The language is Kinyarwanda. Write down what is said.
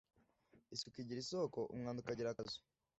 Isuku igira isoko, Umwanda ukagira akazu